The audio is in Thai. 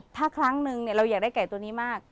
ถ้าครั้งนึงเราอยากได้ไก่ตัวนี้มาก